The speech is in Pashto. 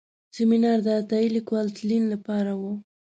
سیمینار د عطایي لیکوال تلین لپاره و.